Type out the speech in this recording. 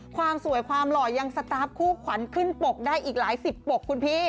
ความสวยความหล่อยังสตาร์ฟคู่ขวัญขึ้นปกได้อีกหลายสิบปกคุณพี่